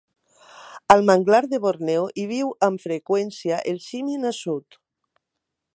Al manglar de Borneo hi viu amb freqüència el simi nassut.